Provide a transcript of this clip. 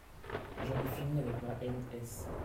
J'en ai fini avec ma M.S.